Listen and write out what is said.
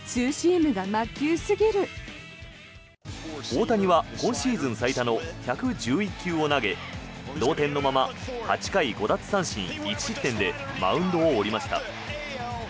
大谷は今シーズン最多の１１１球を投げ同点のまま８回５奪三振１失点でマウンドを降りました。